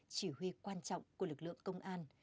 chỉ huy quan trọng của lực lượng công an